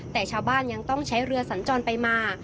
แต่ชาวบ้านยังต้องใช้เรือสัญจรไปมา